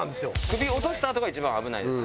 首落としたあとが一番危ないです。